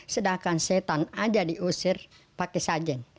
sedangkan setan aja diusir pakai sajen